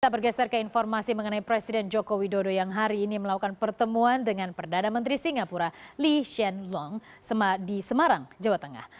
kita bergeser ke informasi mengenai presiden joko widodo yang hari ini melakukan pertemuan dengan perdana menteri singapura lee hsien long di semarang jawa tengah